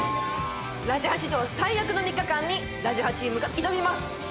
ラジハ史上最悪の３日間にラジハチームが挑みます。